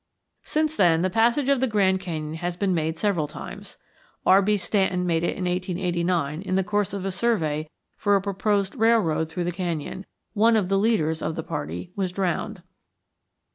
Since then, the passage of the Grand Canyon has been made several times. R.B. Stanton made it in 1889 in the course of a survey for a proposed railroad through the canyon; one of the leaders of the party was drowned.